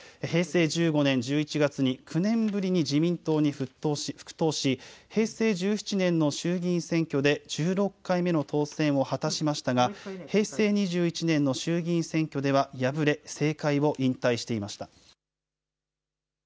平成１５年１１月に９年ぶりに自民党に復党し平成１７年の衆議院選挙で１６回目の当選を果たしましたが平成２１年の衆議院選挙では敗れ政界を引退していました。